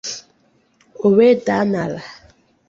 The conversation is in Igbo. o wee dàá n'ala